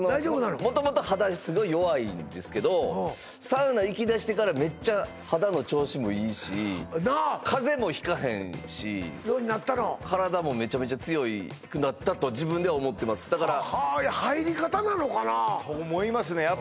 元々肌すごい弱いんですけどサウナ行きだしてからめっちゃ肌の調子もいいしなあ風邪もひかへんしようになったの体もめちゃめちゃ強くなったと自分では思ってますはは入り方なのかな？と思いますね